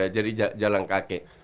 jadi jalan kakek